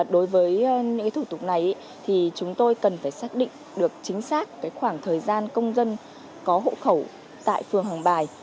đối với những thủ tục này thì chúng tôi cần phải xác định được chính xác khoảng thời gian công dân có hộ khẩu tại phường hàng bài